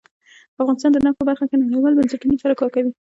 افغانستان د نفت په برخه کې نړیوالو بنسټونو سره کار کوي.